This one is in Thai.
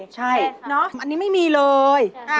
ใช่น่ะอันนี้ไม่มีเลยค่ะค่ะ